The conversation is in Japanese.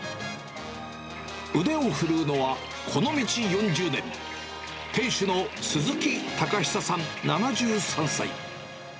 腕を振るうのは、この道４０年、店主の鈴木高久さん７３歳。